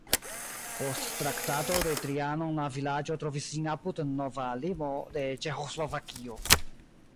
Post Traktato de Trianon la vilaĝo trovis sin apud nova limo de Ĉeĥoslovakio.